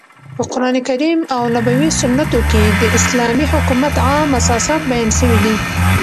په قرانکریم او نبوي سنتو کښي د اسلامي حکومت عام اساسات بیان سوي دي.